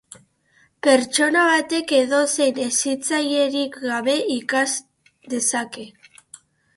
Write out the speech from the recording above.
Pertsona batek edozein hezitzailerik gabe ikas dezake.